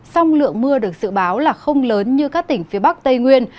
song lượng mưa được dự báo là không lớn như các tỉnh phía bắc tây nguyên